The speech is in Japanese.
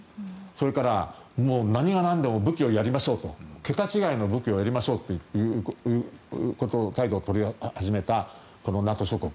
それから何がなんでも武器をやりましょうと桁違いの武器をやりましょうという態度を取り始めたＮＡＴＯ諸国。